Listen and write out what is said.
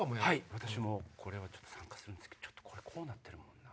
私もこれは参加するんですけどこれこうなってるもんな。